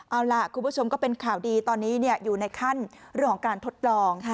เอาล่ะคุณผู้ชมก็เป็นข่าวดีตอนนี้อยู่ในขั้นเรื่องของการทดลอง